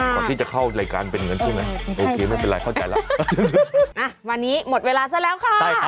ไม่ใช่ยังไม่ถึงวันช่วงนี้